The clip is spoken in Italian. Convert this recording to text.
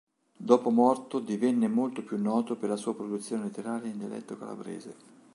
Dopo morto divenne molto più noto per la sua produzione letteraria in dialetto calabrese.